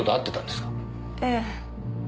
ええ。